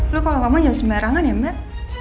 lu kalau kamu nyus merangan ya mbak